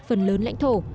phần lớn lãnh thổ